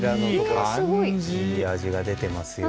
いい味が出てますよね。